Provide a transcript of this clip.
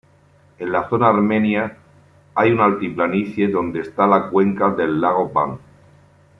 En la zona armenia hay una altiplanicie donde está la cuenca del lago Van.